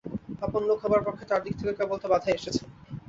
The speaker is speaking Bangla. আপন লোক হবার পক্ষে তার দিক থেকে কেবল তো বাধাই এসেছে।